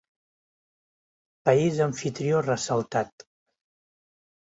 País amfitrió ressaltat.